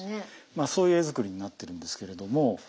そういう絵作りになっているんですけれども。